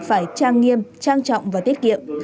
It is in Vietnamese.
phải trang nghiêm trang trọng và tiết kiệm